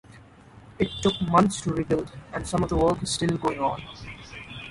It took months to rebuild, and some of the work is still going on.